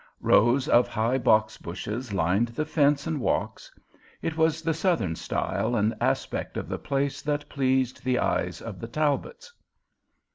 Rows of high box bushes lined the fence and walks. It was the Southern style and aspect of the place that pleased the eyes of the Talbots.